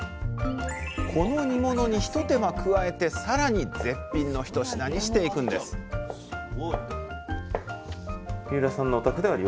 この煮物にひと手間加えてさらに絶品の一品にしていくんです出ます。